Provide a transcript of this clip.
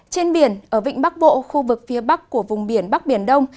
trên biển ở vịnh bắc bộ khu vực phía bắc của vùng biển bắc biển đông